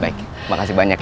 baik makasih banyak ya